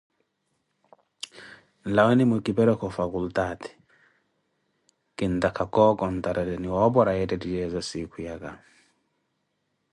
Nlaweni mwikiperekhe Ofacultaati, kintakha kookontareleni woopora enettettaye sikhu yaka.